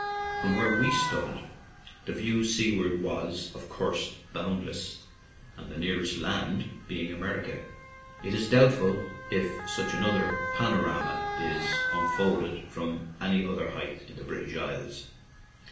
From where we stood, the view seaward was, of course, boundless, the nearest land being Amer ica. It is doubtful if such another pan orama is unfolded from any other height in the British Isles.